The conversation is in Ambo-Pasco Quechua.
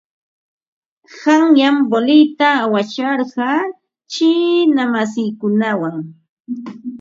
Qanyan voleyta awasarqaa chiina masiikunawan.